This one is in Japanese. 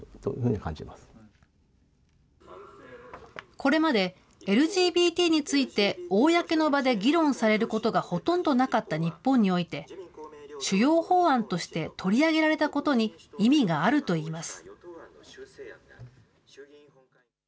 これまで、ＬＧＢＴについて、公の場で議論されることがほとんどなかった日本において、主要法案として取り上げられたことに意味があるといいます。